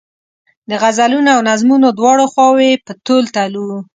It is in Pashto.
د غزلونو او نظمونو دواړه خواوې په تول تلو.